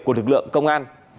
của lực lượng công an